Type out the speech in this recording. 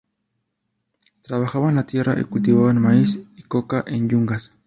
Trabajaban la tierra y cultivaban maíz y coca en yungas.